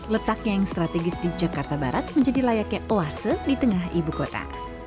letaknya yang strategis di jakarta barat menjadi layaknya oase di tengah ibu kota